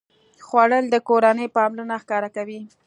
خوړل د کورنۍ پاملرنه ښکاره کوي